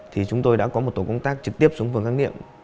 thì chúng tôi đã có một tổ công tác trực tiếp xuống phường khắc niệm